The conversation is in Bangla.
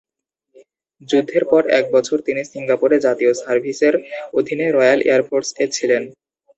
যুদ্ধের পর এক বছর তিনি সিঙ্গাপুরে জাতীয় সার্ভিসের অধীনে রয়্যাল এয়ার ফোর্স এ ছিলেন।